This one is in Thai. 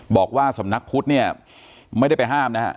บอกว่าสำนักพุทธเนี่ยไม่ได้ไปห้ามนะฮะ